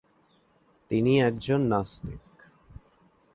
তিনি একজন নাস্তিক।